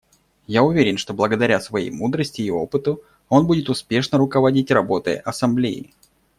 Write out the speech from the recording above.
Я уверен, что благодаря своей мудрости и опыту он будет успешно руководить работой Ассамблеи.